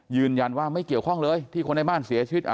ยืนยันว่าไม่เกี่ยวข้องเลยที่คนในบ้านเสียชีวิต